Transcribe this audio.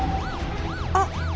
あっ！